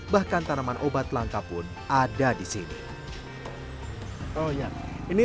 bahkan tanaman obat langka pun ada di sini